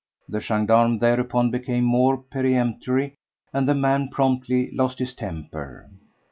The gendarme thereupon became more peremptory and the man promptly lost his temper.